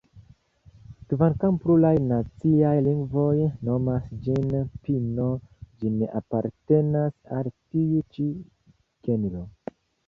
Kvankam pluraj naciaj lingvoj nomas ĝin "pino", ĝi ne apartenas al tiu ĉi genro.